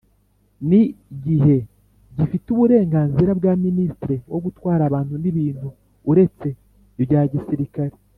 ni gihe gifite uburenganzira bwa ministre wo gutwara abantu n’ibintu uretse ibya gisirikare